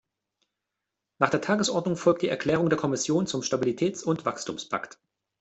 Nach der Tagesordnung folgt die Erklärung der Kommission zum Stabilitäts- und Wachstumspakt.